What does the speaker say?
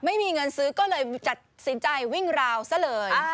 ไม่มีเงินซื้อก็เลยจัดสินใจวิ่งราวซะเลย